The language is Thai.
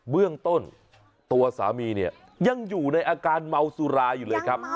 เบื้องต้นตัวสามีเนี่ยยังอยู่ในอาการเมาสุราอยู่เลยครับ